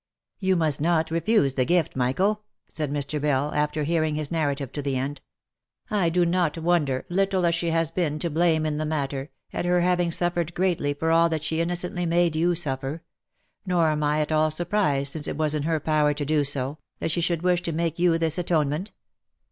"You must not refuse the gift, Michael," said Mr. Bell, after hearing his narrative to the end. " I do not wonder, little as she has been to blame in the matter, at her having suffered greatly for all that she innocently made you suffer ; nor am I at all surprised, since it was in her power to do so, that she should wish to make you this atone ment.